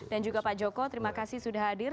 dan juga pak joko terima kasih sudah hadir